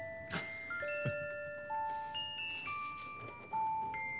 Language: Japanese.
フッ。